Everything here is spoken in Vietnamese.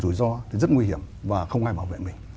bảo hiểm rủi ro thì rất nguy hiểm và không ai bảo vệ mình